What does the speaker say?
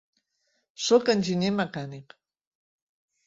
Soc enginyer mecànic.